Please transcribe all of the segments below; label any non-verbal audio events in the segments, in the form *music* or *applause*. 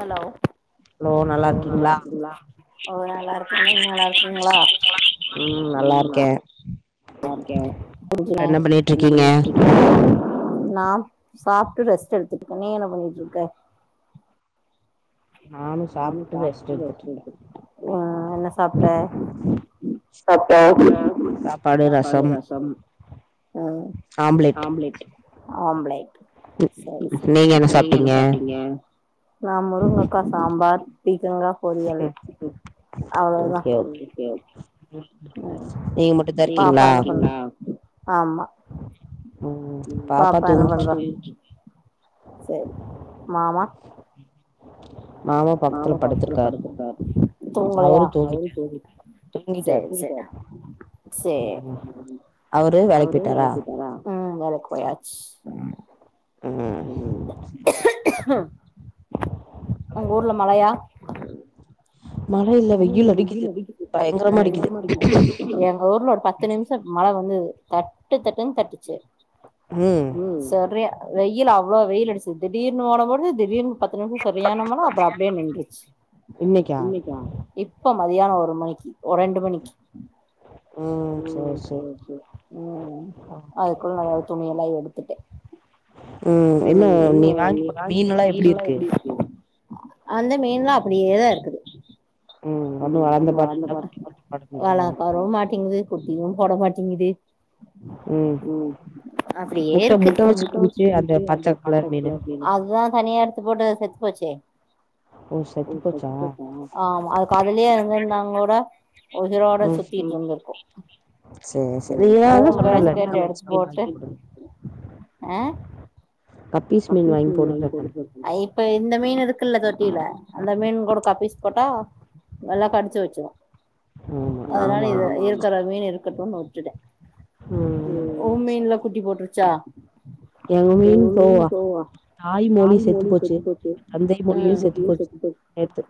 hello ஓ நல்லா இருக்கே நீங்க நல்லா இருக்கீங்களா நா சாப்ட்டு ரெஸ்ட் எடுத் திட்ருக்கே நீ என்ன பண்ணிட்டு இருக்க ஆ என்ன சாப்ட்டே ஆ ஆம்லெட் சரி சரி நீங்க என்ன சாப்பிட்டீங்க நான் முருங்கக்கா சாம்பார் தேங்கா பொரியல் அவ்ளவுதா பாப்பா என்ன பண் ஆமா பாப்பா என்ன பண்ணறங்க செரி மாமா தூங்கலையா சேரி சேரி சேரி ஆ வேலைக் போயாச்சு உங்க ஊர்ல மழையா ம் எங்க ஊர்ல ஒரு பத்து நிமிஷோ மழ வந்தது தட்டு தட்டுன்னு தட்டிச்சு ம் செரியா வெயில் அவ்ளோ வெயில் அடிச்சுது திடீர்னு மோடம் போடுது திடீர்னு பத்து நிமிஷம் சரியான மழ அப்புறோ அப்படியே நின்றுச்சு இன்னைக்கா இப்ப மதியான ஒரு மணிக்கு ஒரு ரெண்டு மணிக்கு அதுக்குள்ள துணியல்லா எடு ம் என்ன நீ வாங்கி போட்ட மீன் எல்லா எப்படி இருக்கு அந்த மீன்லா அப்டியேதான் இருக்குது உம் ஒன்னு வளர்ந்த பாடும்யில்லா வளரவும் மாட்டிங்குது குட்டியும் போட மாட்டேங்குது உம் அப்படியே இருக்கு முட்ட முட்ட வெச்சு‌ நிக்கிமே அந்த பச்ச களர் மீன் அதான் தனியா எடுத்து போட்டு செத்து போச்சே ஆமா அது இப்ப அதுலே இருந்திருந்தா கூட‌ உயிரோட சுத்திட்ற் இருந்துருக்கும் ஓன் பேச்ச‌‌ கேட்டு எடுத்து‌ பேட்டு ஆ ஆ இப் இப்ப இந்த மீன் இருக்குல்ல தொட்டியில அந்த மீன் கூடு கப்பீஸ் போட்டா நல்லா கடிச்சு வெச்சிறும் அதனால இது இருக்கிற மீன் இரு இருக்கட்டும்னு விட்டுட்டேன் உன் மீன்ல குட்டி போட்டுரு ச்ச எங்க மீன் போவா தாய் மொழி செத்து போச்சு தந்தை மொழியும் செத்து போச்சு நேத்து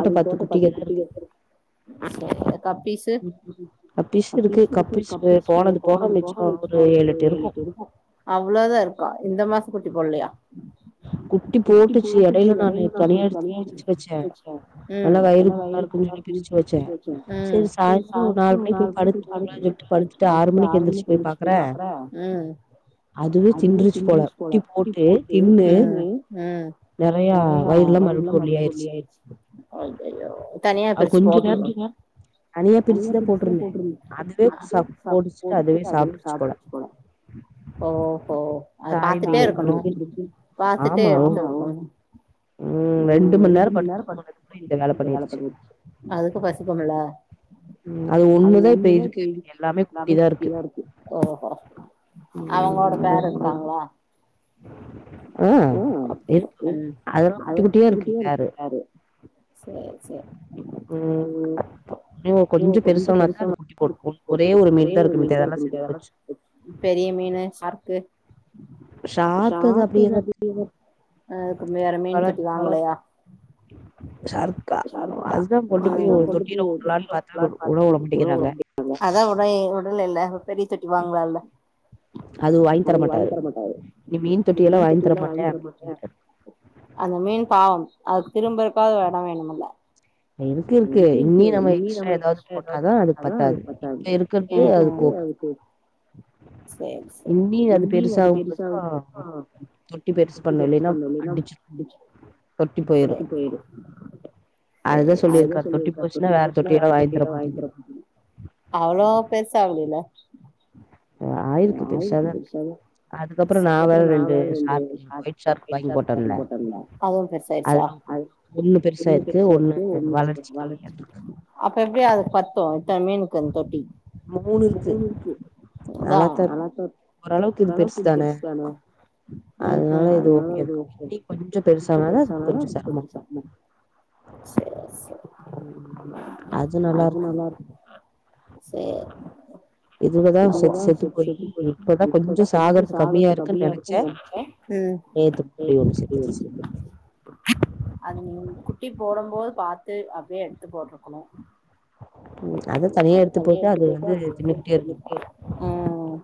அது போட்ட பத்து குட்டிகதான் இருக்கு கப்பிஸ்ஸு கப்பிஸ் இருக்கு கப்பிஸ் போனது போக மிச்சம் ஒரு அவ்ளோதான் இருக்கா இந்த மாசம் குட்டி போடலையா குட்டி போட்டுச்சு எடையில நானு தனியா எடுத்து பிரிச்சு வச்சேன் ம் ம் ம் ம் ம் ஐயையோ தனியா பிரிச்சு போட்டுவுட்டிய அ ஓஹோ அத பாத்துட்டே இருக்கணும் பாத்துட்டே எடுத்து *unintelligible* உம் ரெண்டு மணி நேரம் படுத் தூங் அதுக்கும் பசிக்கும்ல உம் அது ஒண்ணுதான் பெருசா இருக்கு எல்லாமே குட்டிய இருக்கு அவங்ளோட பேரு இருக்காங்ளா ம் இல் அதலா குட்டி குட்டியா இருக்கு பேரு சேர் சேரி யு கொஞ்ச பெருசசானாதா போடு ஒரே ஒரு மீன் தா இருக்கு மித்ததெல்லா *inaudible* போச்சு பெரிய மீனு சார்க்கு சாக்கு *inaudible* அதுக்கு வேற மீன் தொட்டி வாங்ளயா சார்க்கா அதா கொண்டு போய் தொட்டில ஊட்லான் பாத்த உட உடமாட்டேக்கிறாங்க அதா உடே உடலேல்ல பெரிய் தொட்டி வாங்ளால்ல அது வாங்கி தரமாட்டாரு இனி மீன் தொட்டி எல்லா வாங் தரமாட்ட அந்த மீன் பாவம் அதுக் திரும் பாவு எட வேணும்முல்ல இருக்கு இருக்கு இனியு நம்ம எக்ஸ்ட்ரா ஏதாவது போட்டாதா அதுக் பத்தாது இப்ப இருக்கற்து அதுக் ஓகே சேரி சேரி இன்னியும் அது பெருசாகும்னா பெருசு பண்ணும்ல்ல *inaudible* போயிடும் சேரி அது சொல்லியிருக்கா தொட்டி போச்சுனா வேற தொட்டிய எல்லாம் வாங்கிதரமாட்ட அவ்ளோ பெருசாகலில்ல அதுவும் பெருசாயிருச்சா அப்ப எப்டி அது பத்தூம் தங்க *unintelligible* வந் தோட்டி உ உம் அத அனத ஒரு அளவுக்கு பெருசானா அதனால இது ஓகோன் இனி கொஞ்சம் பெருசனாலும் கொஞ்சம் சிரமம் சேரி சேரிங்க அது நல்லா இரு சேரி அங்கதான் செத் செத் *inaudible* இப்பதான் கொஞ்சம் சாகறது கம்மியா உம் நேத்து மூடி ஒண்ணு செத்துருச்சு அது நீங்க குட்டி போடும் போது பார்த்து அப்படியே எடுத்து போட்டுருக்கணும் அது தனியா எடுத்து போட்டு அது எப்பக்கு உம்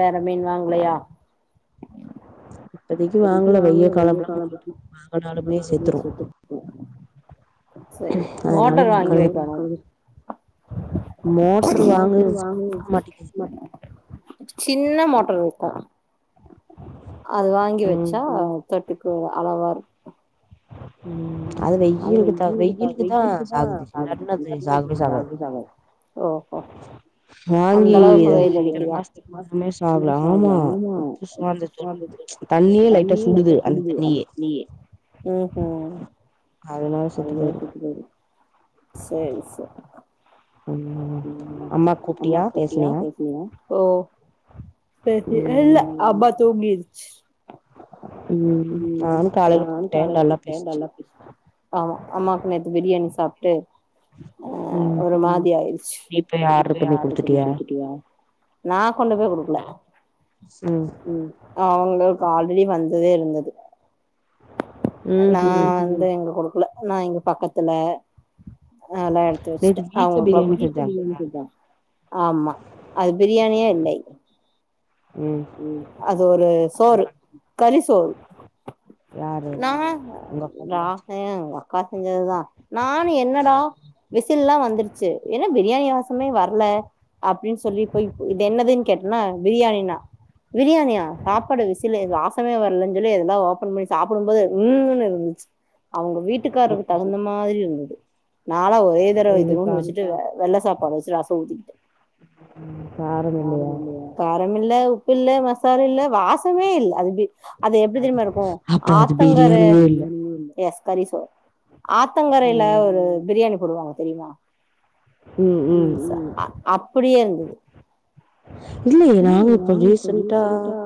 வேற மீன் வாங்கலையா எது இது வாங்கல வெய்ய கால ஒரு நாளுக்குள்ளையே செத்து போன சேரி மோட்டர் வாங்கி வக்க மோட்டர் வாங்க மோட்டார் வாங்கி வைக் சின்ன மோட்டர் வைக்கும் க்கி வெச்சா தொட்டுக்கு அளவா ஓஹோ அந்தளவுக்கு வெயில் அடிக்குதா ம் ஆ அதனால செத்துப் போயிரு சேரி சே ஓ சேர் சேர் இல்ல அம்மா தூங்கிருச் சு ஆமா அம்மாவுக்கு நேத்து பிரியாணி சாப் டே அஹ் ஒரு மாதி ஆய்ரு நா கொண்டு போய் குடுக்கல அவ்ங்களே கால் முன்னாடி வந்ததே இருந்தது நா வந்து எங்களுக்கு குடுக்ல நா இங்க பக்கத்துல அதல்லா எடுத்து வச்ட்டே அவங்களுக்லா குடுத்து ஆமா அது பிரியாணியா இல்லை உம் அது ஒரு சோறு கறி சோறு ராக ராக உங்கக்கா செஞ்சதுதா நானு என்னடா விசில்லா வந்துருச்சு என்ன பிரியாணி வாசமே வர்ல அப்டின் சொல்லி போய் இது என்னதுன் கேட் என்ன பிரியாணின்னா பிரியாணியா சாப்பாடு விசிலு வாசமே வர்லன் சொல்லி இதெல்லா ஓப்பன் பண்ணி சாப்டும் போது உம்முனு இருந்துச்சு அவ்ங்க வீட்டுக்காருக்கு தகுந்த மாதிரி இருந்தது நாலா ஒரே தடவ இத்துனுன் வச்சுட்டு வெ வெள்ளை சாப் கொஞ்ச வச்சு ரச ஊத்திக்கிட்டே காரமில்லயா காரமில்ல உப் உப்பில்ல மசாலு இல்ல வாசமே இல்ல அது பி அது எப்டி தெரியுமா இருக்கு ஆத்தங்கர எஸ் கரிசோற் ஆத்தங்கரைல ஒரு பிரியாணி போடுவாங்க தெரியுமா உம் உம் அப்டியே இருந்தது ரிசெண்டா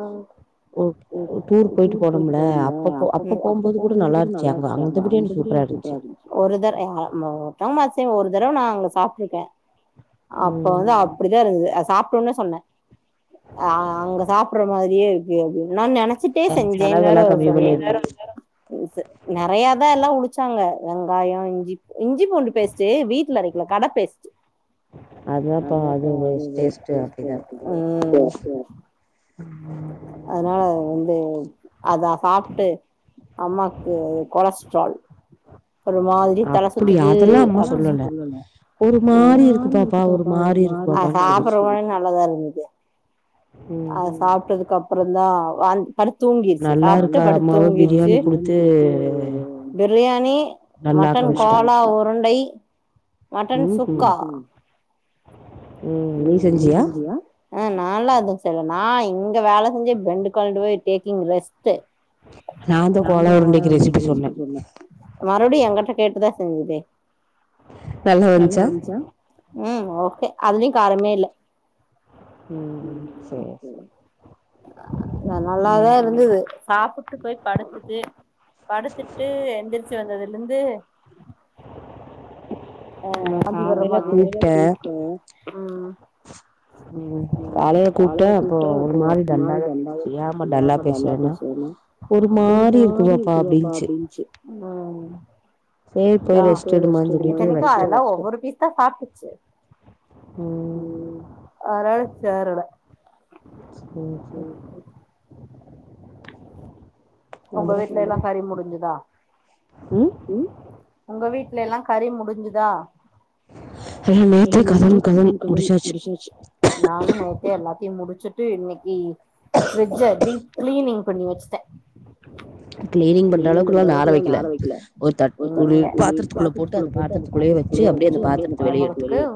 உம் டூர் போயிட்டு போனம்ல உம் அப்ப அப்ப போகும்போது கூட நல்லா இருந்ச்சு அங்க அந்த பிரியாணி சூப்பரா இருந்ச்சு த ஒரு தறவ நா அங்க சாப்ட்டுருக்கே அப்ப வந்து அப்டிதா இருந்தது அத சாப் கொன்னு சொன்னே ஆஹ் அங்க சாப்டற மாதிரியே இருக்கு அப்டின் நா நெனச் ச்சிட்டே செஞ்சேனு வேற சொல்லியா செ நெறையாதா எல்லா உளிச்சாங்க வெங்காய இஞ்சிப் இஞ்சி பூண்டு பேஸ்டு வீட்ல அரைக் கல கட பேஸ்ட்டு அதாப்பா அது ஒரு டேஸ்டியா ஆக்குது அதனால அத வந்து அத சாப்ட்டு அம்மாக்கு கொலஸ் ட்ரால் ஒரு மாதிரி தலை சுத்துது அத சாப்ட்ற முன்னாடி நல்லாதா இருந்தது அத சாப்ட்டதுக்கு அப்பறந்தா வாந் படுத் தூங்கிருச்சி சாப்ட்டு படுத் தூங்கிருச்சி பிரியாணி மட்டன் கோலா உருண்டை மட்டன் சுக்கா ஆ நால்லா அத ஆ இங்க வேல செஞ்சே பெண்டு கழண்டு போய் டேக்கிங் ரெஸ்ட்டு மறுபடியு எங்கட்ட கேட்டுதா செய்யுதே ம் ஓக் அதுலயு காரமே இல்ல ம் நல்லாதா இருந்தது சாப்பிட்டு பேய் படுத்துட்டு படுத்துட்டு எந்திரிச்சு வந்ததுலிந்து அ ம் ஆ இத்தனைக் கு அதல்லா ஒவ்வொரு பீஸ் தா சாப்ட்டுச்சு அரால சேரல ம் உங்க வீட்ல எல்லா கறி முடிஞ்சுதா ம் உங்க வீட்ல எல்லா கறி முடிஞ்சுத் தா நானு நைட்டே எல்லாத்தயு முடிச் ச்சுட்டு இன்னக்கி ஃப்ரிட்ஜ டீப் க்ளீனிங் பண்ணி வெச்சுட்ட உங்களுக்கு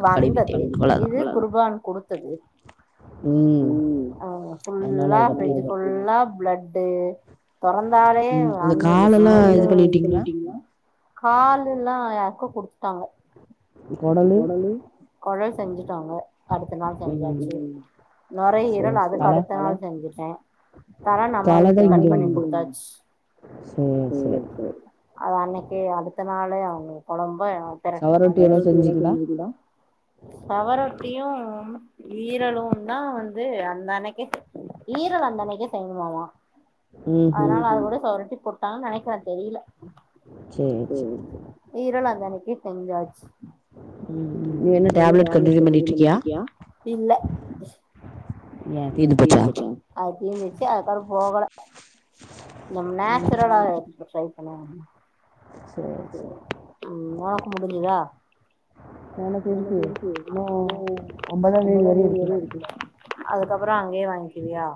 வந்த இது குருபான் குடுத் தது அ ஃபுல்லா ஃபிரிட்ஜு ஃபுல்லா பெலட் டு தொறந்தாலே நான் வெஜ் ஸ்மெல்லு காலெல்லா யார்க்கோ குடுத்து டாவ கொழல் செஞ்சுட்டங்க அடுத்த நாள் செஞ்சாச்சு நொரையீரல் அதுக்கடுத்த நாள் செஞ்சுட்ட தல நம்ம வீட்டுக் கட் பண்ணிட் அச் அது அன்னக்கே அடுத்த நாளே அவுங்க கொழம்பு பிரட்டின மாரி சவரொட்டியு ஈரலுந்தா வந் து அந்தன்னைக்கே ஈரல் அந்தன்னைக்கே செய்யனுமாமா அதுனால அது கூட சவரொட்டி போட் டாங்க நெனைக்கிற தெரில ஈரல் அந்தன்னைக்கே செஞ்சாச் இல்ல அது தீந்துர்ச்சு அதுகப்பறோ போகல நம்ம நேச்சுரலா இருக்க ட்ரை ஹலோ அண்ணா சரி உம் உனக்கு முடிஞ்சுதா எனக்கு இருக்கு ஒன்பதாந்தேதி வர இருக்கு அதுக்கப்புறோ அங்கயே வாங்கிக்குவியா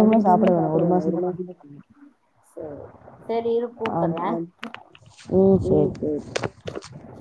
அதுக்கப்புறோமே சாப்பிட வேணா ஒரு மாசந்தா சரி சரி இரு கூப்பர்ற ம் உம் சேரி